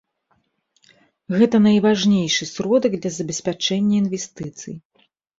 Гэта найважнейшы сродак для забеспячэння інвестыцый.